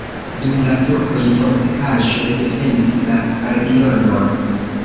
Dum la turkoj fortikaĵo defendis la regionon.